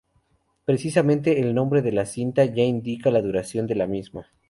Precisamente el nombre de la cinta ya indica la duración de la misma.